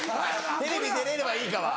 「テレビ出れればいいか」は。